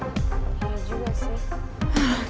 ya juga sih